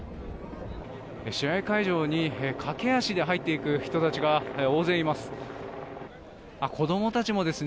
試合会場に駆け足で入っていく人たちが大勢います。